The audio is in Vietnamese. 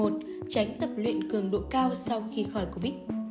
tránh tập luyện cường độ cao sau khi khỏi covid